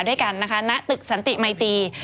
ด้วยกันนะคะณตึกสันติมัยตี